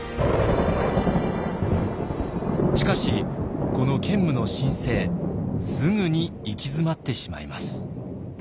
しかしこの建武の新政すぐに行き詰まってしまいます。